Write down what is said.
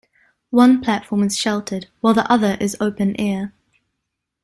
One platform is sheltered while the other is open air.